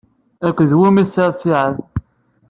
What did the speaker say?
Akked wumi i tesɛiḍ ttiɛad?